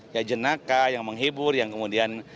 ya jenaka yang menghibur yang kemudian